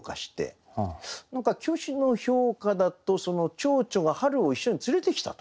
何か虚子の評価だと蝶々が春を一緒に連れてきたと。